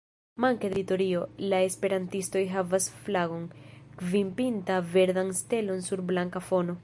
Manke de teritorio, la esperantistoj havas flagon, kvinpintan verdan stelon sur blanka fono.